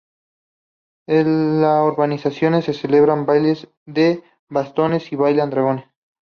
En las urbanizaciones se celebran bailes de bastones y bailan dragones.